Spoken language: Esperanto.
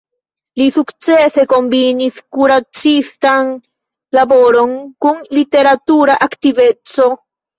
Li sukcese kombinis kuracistan laboron kun literatura aktiveco.